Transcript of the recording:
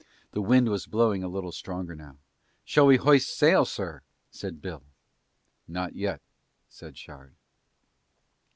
The wind was blowing a little stronger now. "Shall we hoist sail, sir?" said Bill. "Not yet," said Shard.